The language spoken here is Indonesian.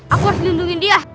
aku harus lindungin dia